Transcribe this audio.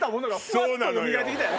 そうなのよ。